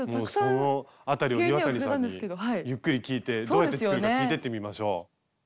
もうそのあたりを岩谷さんにゆっくり聞いてどうやって作るか聞いてってみましょう。